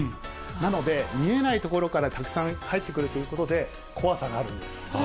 なので、見えない所からたくさん入ってくるということで、怖さがあるんです。